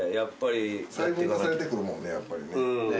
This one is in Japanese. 細分化されてくるもんねやっぱりね。